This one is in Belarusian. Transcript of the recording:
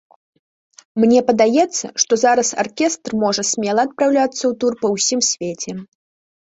Мне падаецца, што зараз аркестр можа смела адпраўляцца ў тур па ўсім свеце.